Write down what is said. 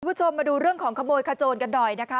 คุณผู้ชมมาดูเรื่องของขโมยขโจนกันหน่อยนะคะ